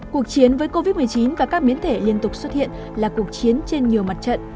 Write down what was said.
cuộc chiến với covid một mươi chín và các biến thể liên tục xuất hiện là cuộc chiến trên nhiều mặt trận